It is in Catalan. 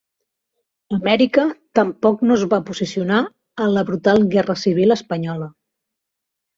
Amèrica tampoc no es va posicionar en la brutal guerra civil espanyola.